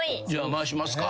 回しますか。